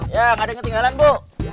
ya nggak ada yang ketinggalan bu